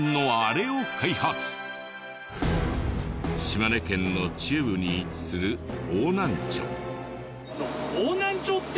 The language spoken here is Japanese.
島根県の中部に位置する邑南町。